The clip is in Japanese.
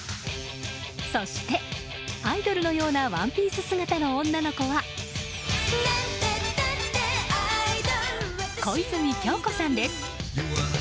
そして、アイドルのようなワンピース姿の女の子は小泉今日子さんです。